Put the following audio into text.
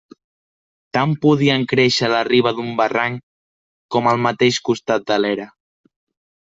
Tant podien créixer a la riba d'un barranc com al mateix costat de l'era.